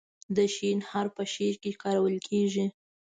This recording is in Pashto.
د "ش" حرف په شعر کې کارول کیږي.